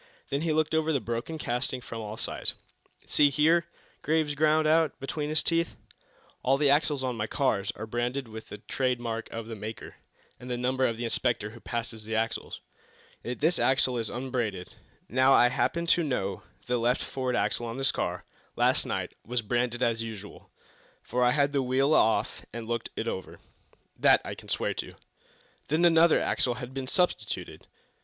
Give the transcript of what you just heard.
Then he looked over the broken casting from all sides. "See here," Graves ground out, between his teeth, "all the axles on my cars are branded with the trade mark of the maker, and the number of the inspector who passes the axles. Yet this axle is unbranded! Now, I happen to know that the left forward axle on this car last night was branded as usual, for I had the wheel off and looked it over. That I can swear to." "Then another axle has been substituted?"